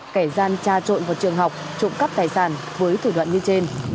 kẻ gian tra trộn vào trường học trộm cắp tài sản với thủ đoạn như trên